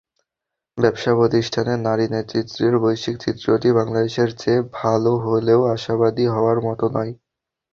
ব্যবসাপ্রতিষ্ঠানে নারী নেতৃত্বের বৈশ্বিক চিত্রটি বাংলাদেশের চেয়ে ভালো হলেও আশাবাদী হওয়ার মতো নয়।